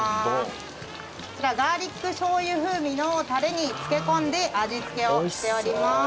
こちらガーリック醤油風味のタレに漬け込んで味付けをしております。